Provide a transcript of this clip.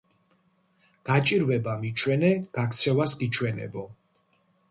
გაჭირვება მიჩვენე, გაქცევას გიჩვენებო